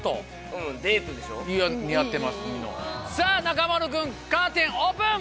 中丸君カーテンオープン！